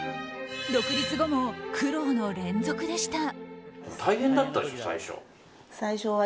独立後も苦労の連続でした。